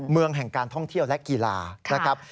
เมืองแห่งการท่องเที่ยวและกีฬานะครับ